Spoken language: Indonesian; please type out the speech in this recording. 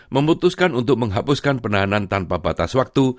memutuskan untuk menghapuskan penahanan tanpa batas waktu